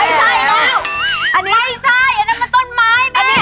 ไม่ใช่แล้วไม่ใช่อันนั้นมันต้นไม้แม่